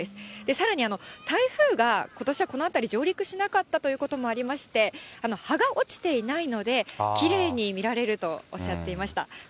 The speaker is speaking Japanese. さらに、台風が、ことしはこの辺り上陸しなかったということもありまして、葉が落ちていないので、きれいに見られるとおっしゃっていました。